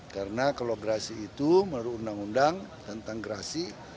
karena kalau gerasi itu melalui undang undang tentang gerasi